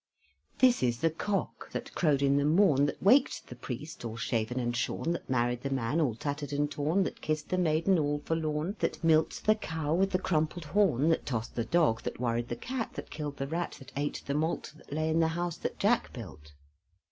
This is the cock that crowed in the morn, That waked the priest all shaven and shorn, That married the man all tattered and torn, That kissed the maiden all forlorn, That milked the cow with the crumpled horn, That tossed the dog, That worried the cat, That killed the rat, That ate the malt That lay in the house that Jack built.